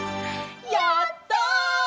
やった！